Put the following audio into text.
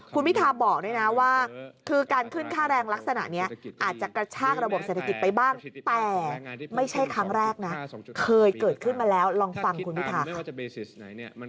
คุณวิทาบอกด้วยนะว่า